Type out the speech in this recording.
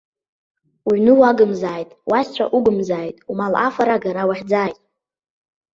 Уҩны уагымзааит, уашьцәа угымзааит, умал афара-агара уахьӡааит!